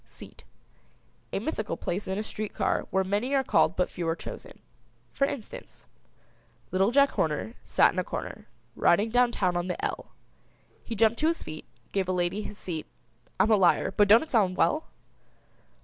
SEAT. A mythical place in a street car where many are called but few are chosen. For instance: Little Jack Horner Sat in a corner Riding down town on the "L." He jumped to his feet Gave a lady his seat I'm a liar, but don't it sound well.